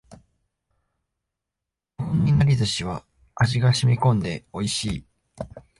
ここのいなり寿司は味が染み込んで美味しい